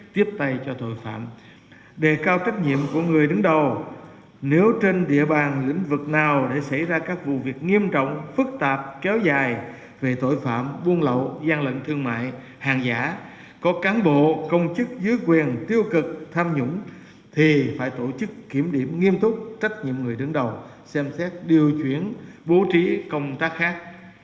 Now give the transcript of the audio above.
tiếp tay cho tội phạm đề cao trách nhiệm của người đứng đầu nếu trên địa bàn lĩnh vực nào để xảy ra các vụ việc nghiêm trọng phức tạp kéo dài về tội phạm buôn lậu gian lệnh thương mại hàng giả có cán bộ công chức dưới quyền tiêu cực tham nhũng thì phải tổ chức kiểm điểm nghiêm túc trách nhiệm người đứng đầu xem xét điều chuyển bố trí công tác khác